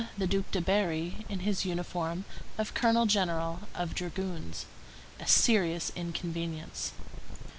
the Duc de Berri, in his uniform of colonel general of dragoons—a serious inconvenience.